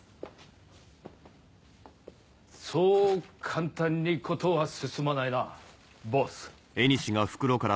そう簡単に事は進まないなボス。